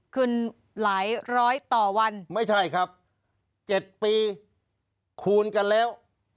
คืนหลายร้อยต่อวันไม่ใช่ครับ๗ปีคูณกันแล้ว